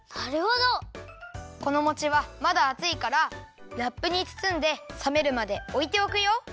このもちはまだあついからラップにつつんでさめるまでおいておくよ。